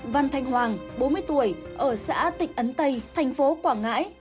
văn thanh hoàng bốn mươi tuổi ở xã tịnh ấn tây thành phố quảng ngãi